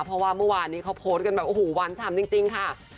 เพราะว่าเมื่อวานนี้เขาโพสต์กันแบบโอ้โหหวานฉ่ำจริงค่ะ